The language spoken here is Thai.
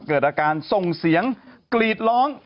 เกิดอาการส่งเสียงกรีดร้อง